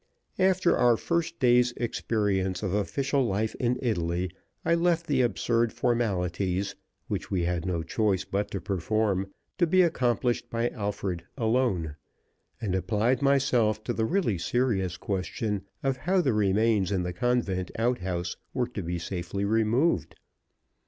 After our first day's experience of official life in Italy, I left the absurd formalities, which we had no choice but to perform, to be accomplished by Alfred alone, and applied myself to the really serious question of how the remains in the convent outhouse were to be safely removed.